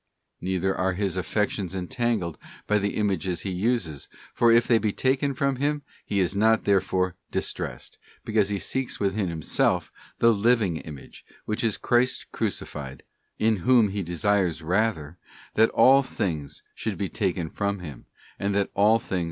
Neither are his affections entangled by the images he uses, for if they be taken from him, he is not therefore distressed, because he seeks within himself the Living Image, which is Christ crucified, in Whom he desires rather that all things should be taken from him and that * Judg.